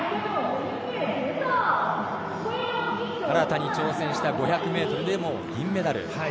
新たに挑戦した５００ｍでも銀メダル。